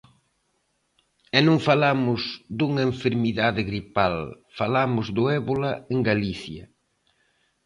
E non falamos dunha enfermidade gripal, falamos do évola en Galicia.